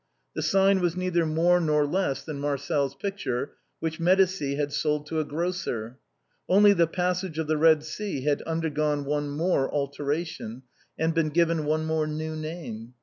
This sign was neither more nor less than Marcel's picture, which Medicis had sold to a grocer; only "the Passage of the Eed Sea" had under gone one more alteration, and been given one more new name.